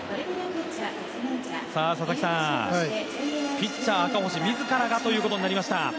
ピッチャー・赤星自らがということになりました。